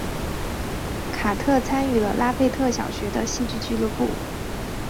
卡特参与了拉斐特小学的戏剧俱乐部。